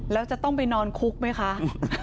แล้วจะต้องไปนอนคุกไหมคะ